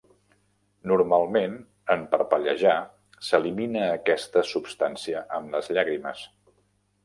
Normalment, en parpellejar s'elimina aquesta substància amb les llàgrimes.